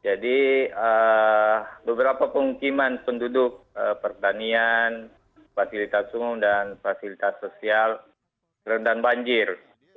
jadi beberapa pengukiman penduduk pertanian fasilitas sungai dan fasilitas sosial terendam banjir